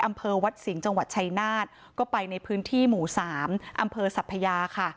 อำเภอวัดสิงห์จังหวัดชายนาฏก็ไปในพื้นที่หมู่สามอำเภอสัพพยาค่ะ